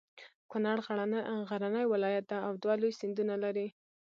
کنړ غرنی ولایت ده او دوه لوی سیندونه لري.